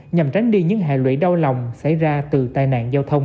nhằm tránh đi những hệ lụy đau lòng xảy ra từ tai nạn giao thông